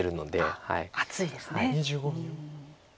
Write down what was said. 厚いですね。